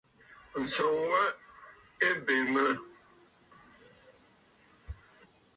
Ǹsɔŋ wa wa ɨ bè mə a ntswaà.